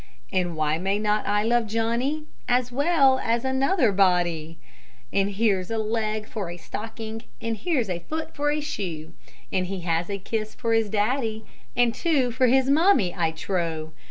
And why may not I love Johnny As well as another body? And here's a leg for a stocking, And here's a foot for a shoe, And he has a kiss for his daddy, And two for his mammy, I trow.